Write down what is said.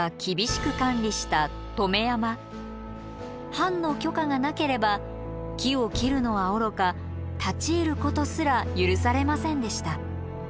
藩の許可がなければ木を切るのはおろか立ち入ることすら許されませんでした。